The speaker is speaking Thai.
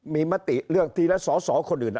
มีมติเรื่องทีละสอสอคนอื่น